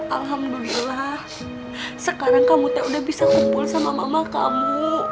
alhamdulillah sekarang kamu udah bisa kumpul sama mama kamu